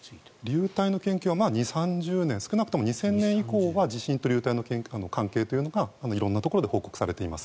流体の研究は２０３０年少なくとも２０００年以降は地震と流体の関係というのが色んなところで報告されています。